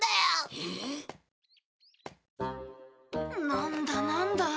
なんだなんだ？